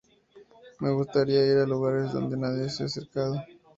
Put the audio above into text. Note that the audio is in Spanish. Me gustaría ir a lugares donde nadie se ha acercado".